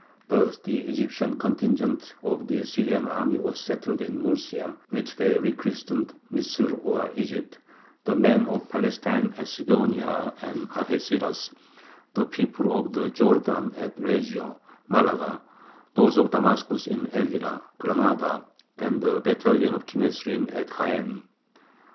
Thus the Egyptian contingent of the Syrian army was settled in Murcia, which they re christened "Misr" or Egypt; the men of Palestine at Sidonia and Algeciras; the people of the Jordan at Regio (Malaga), those of Damascus in Elvira (Granada), and the battalion of Kinnesrin at Jaen.